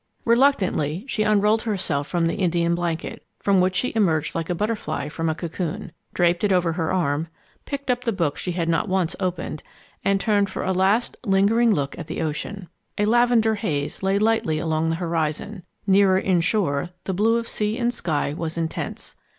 Reluctantly she unrolled herself from the Indian blanket, from which she emerged like a butterfly from a cocoon, draped it over her arm, picked up the book she had not once opened, and turned for a last, lingering look at the ocean. A lavender haze lay lightly along the horizon. Nearer inshore the blue of sea and sky was intense.